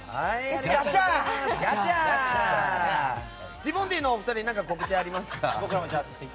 ティモンディのお二人は告知ありますか？